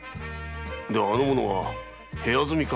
ではあの者は部屋住みか。